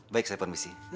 baik saya permisi